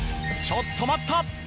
ちょっと待った！